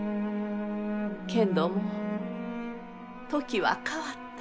けんども時は変わった。